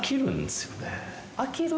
飽きる？